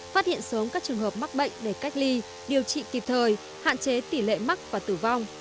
phát hiện sớm các trường hợp mắc bệnh để cách ly điều trị kịp thời hạn chế tỷ lệ mắc và tử vong